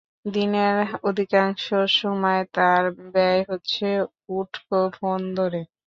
দিনের অধিকাংশ সময় তাঁর ব্যয় হচ্ছে উটকো ফোন ধরে।